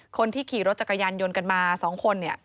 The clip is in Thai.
คนที่ขี่รถจักรยันยนต์ยนต์กันมาสองคนเนี่ย